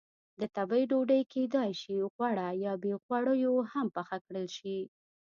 د تبۍ ډوډۍ کېدای شي غوړه یا بې غوړیو هم پخه کړل شي.